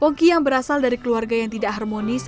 poki yang berasal dari keluarga yang tidak harmonis